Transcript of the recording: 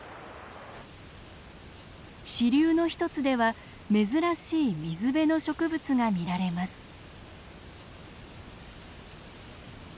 支流の一つでは珍しい水辺の植物が見られます。